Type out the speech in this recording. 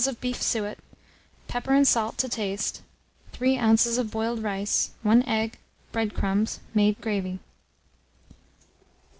of beef suet, pepper and salt to taste, 3 oz. of boiled rice, 1 egg, bread crumbs, made gravy.